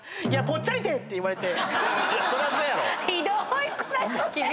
「ぽっちゃりって！」って言われて。